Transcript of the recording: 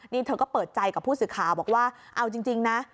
นี่เธอก็เปิดใจกับผู้สื่อข่าวบอกว่าเอาจริงนะ